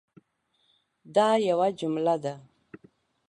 دا یوه جمله ده